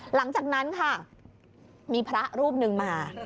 หลังจากนั้นค่ะมีพระรูปหนึ่งมา